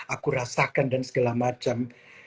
aku rasakan dan segala macam